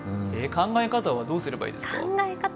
考え方はどうすればいいですか？